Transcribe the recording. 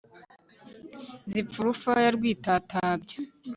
Zipfa urufaya rwitatabya